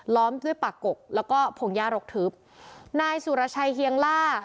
ด้วยปากกกแล้วก็พงหญ้ารกทึบนายสุรชัยเฮียงล่า